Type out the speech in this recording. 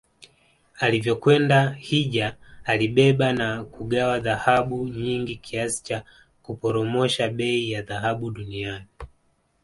Alivyokwenda hijja alibeba na kugawa dhahabu nyingi kiasi cha kuporomosha bei ya dhahabu duniani